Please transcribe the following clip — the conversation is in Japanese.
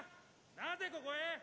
なぜここへ？